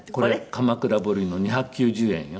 鎌倉彫の２９０円よ。